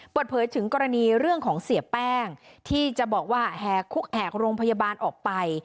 เปิดเผยถึงกรณีเรื่องของเสียแป้งที่จะบอกว่าแหกคุกแหกโรงพยาบาลออกไป